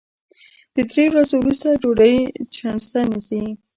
د درې ورځو وروسته ډوډۍ چڼېسه نیسي